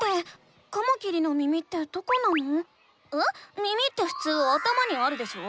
耳ってふつう頭にあるでしょ？